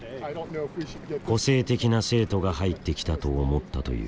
個性的な生徒が入ってきたと思ったという。